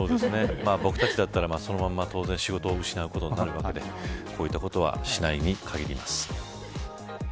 僕たちだったらそのまま当然仕事を失うことになるわけでこういったことはしないにかぎります。